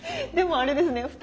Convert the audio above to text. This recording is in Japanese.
でもあれですね。